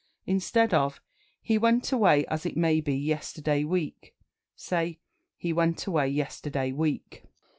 Instead of "He went away as it may be yesterday week," say "He went away yesterday week."